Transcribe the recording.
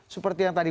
seperti yang tadi